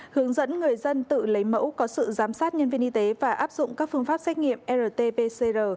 hướng dẫn người dân tự lấy mẫu có sự giám sát nhân viên y tế và áp dụng các phương pháp xét nghiệm rt pcr